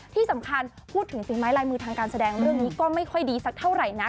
ที่สำคัญพูดถึงฝีไม้ลายมือทางการแสดงเรื่องนี้ก็ไม่ค่อยดีสักเท่าไหร่นัก